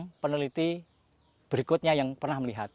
ataupun orang peneliti berikutnya yang pernah melihat